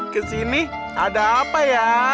kesini ada apa ya